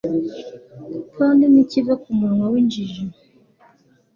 kandi ntikiva ku munwa w'injiji